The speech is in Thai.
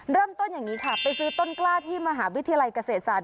เริ่มต้นอย่างนี้ค่ะไปซื้อต้นกล้าที่มหาวิทยาลัยเกษตรศาสต